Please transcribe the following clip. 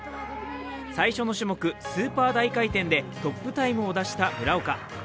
最初の種目、スーパー大回転でトップタイムを出した村岡。